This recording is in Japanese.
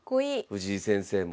藤井先生も。